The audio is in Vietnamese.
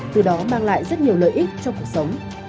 từ đó mang lại rất nhiều lợi ích cho cuộc sống